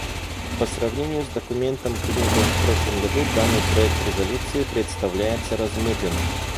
По сравнению с документом, принятым в прошлом году, данный проект резолюции представляется размытым.